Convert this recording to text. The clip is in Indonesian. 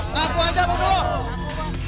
ngaku aja mang duloh